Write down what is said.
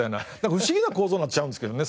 不思議な構造になっちゃうんですけどね